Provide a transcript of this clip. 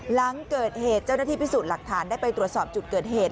หลังเกิดเหตุเจ้าหน้าที่พิสูจน์หลักฐานได้ไปตรวจสอบจุดเกิดเหตุ